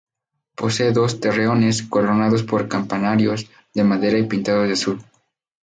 Posee dos torreones coronados por campanarios de madera y pintados de azul.